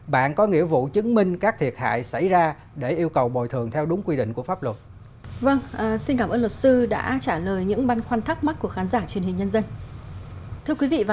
bạn có nghĩa vụ chứng minh các thiệt hại xảy ra để yêu cầu bồi thường theo đúng quy định của pháp luật